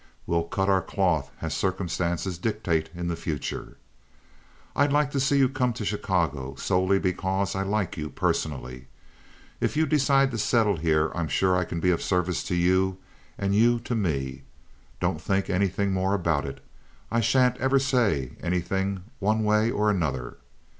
We'll cut our cloth as circumstances dictate in the future. I'd like to see you come to Chicago, solely because I like you personally. If you decide to settle here I'm sure I can be of service to you and you to me. Don't think anything more about it; I sha'n't ever say anything one way or another.